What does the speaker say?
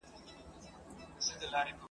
که کوم سړي يې